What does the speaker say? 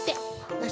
よし。